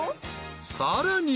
［さらに］